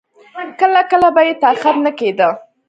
کله کله به يې طاقت نه کېده.